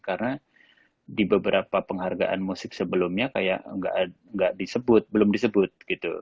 karena di beberapa penghargaan musik sebelumnya kayak nggak disebut belum disebut gitu